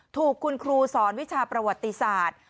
ถูกคุณครูสอนวิชาประวัติศาสตร์